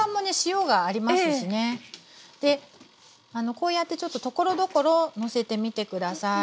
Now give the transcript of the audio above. こうやってちょっとところどころのせてみて下さい。